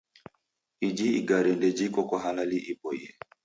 Iji igare ndejiko kwa hali iboie.